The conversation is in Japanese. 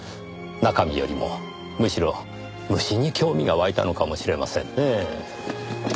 中身よりもむしろ虫に興味が湧いたのかもしれませんねぇ。